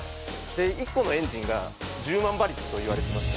で１個のエンジンが１０万馬力といわれてまして。